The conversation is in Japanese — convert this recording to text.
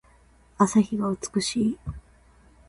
朝日が美しい。